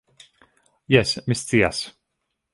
Jes, mi scias.